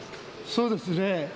そうですね。